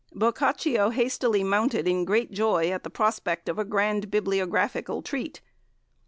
Boccaccio hastily mounted in great joy at the prospect of a grand bibliographical treat.